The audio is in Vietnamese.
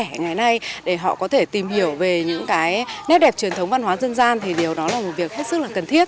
hay để họ có thể tìm hiểu về những cái nét đẹp truyền thống văn hóa dân gian thì điều đó là một việc rất là cần thiết